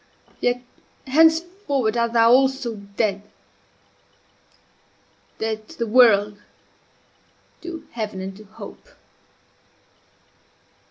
Yet, henceforward art thou also dead dead to the World, to Heaven and to Hope!